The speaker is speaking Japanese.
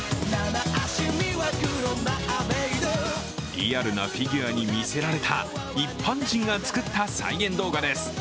リアルなフィギュアにみせられた一般人が作った再現動画です。